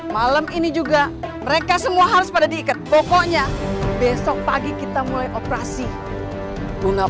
malam ini juga mereka semua harus pada diikat pokoknya besok pagi kita mulai operasi bunga